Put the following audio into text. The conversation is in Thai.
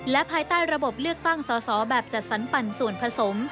และภายใต้ระบบเลือกตั้ง๓แบบจะสันปันส่วนผสม